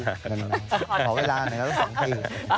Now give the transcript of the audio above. ก็ต่อเวลาหนึ่งแล้ว๒ปี